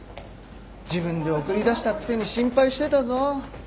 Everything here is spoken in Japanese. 自分で送り出したくせに心配してたぞ。